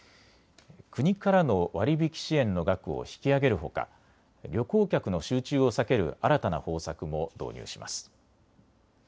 国からの割り引き支援の額を引き上げるほか旅行客の集中を避ける新たな方策も導入します。